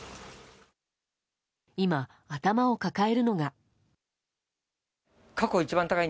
今、頭を抱えるのが。